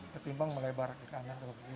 ketimbang melebar ke kanan